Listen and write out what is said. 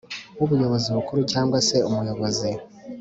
w ubuyobozi bukuru cyangwa se Umuyobozi